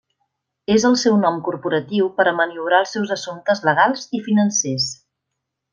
És el seu nom corporatiu per a maniobrar els seus assumptes legals i financers.